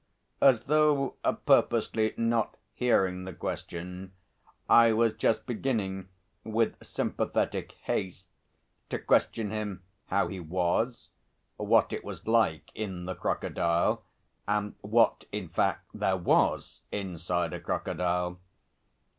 As though purposely not hearing the question, I was just beginning with sympathetic haste to question him how he was, what it was like in the crocodile, and what, in fact, there was inside a crocodile.